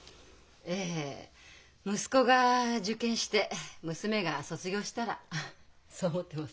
ええ息子が受験して娘が卒業したらそう思ってます。